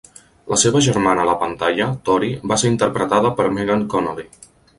La seva germana a la pantalla, Tori, va ser interpretada per Megan Connolly.